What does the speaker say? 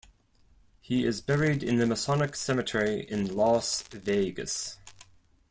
He is buried in the Masonic Cemetery in Las Vegas.